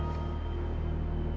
tentang apa yang terjadi